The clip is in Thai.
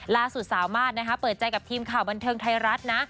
ล่าสุดสามารถเปิดใจกับทีมข่าวบันเทิงไทยรัฐนะ